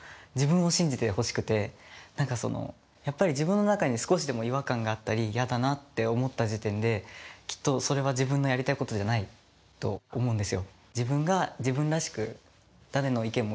あのやっぱり自分の中に少しでも違和感があったり嫌だなって思った時点できっとそれは自分のやりたいことじゃないと思うんですよ。